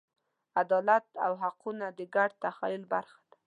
عدالت او حقونه د ګډ تخیل برخه ده.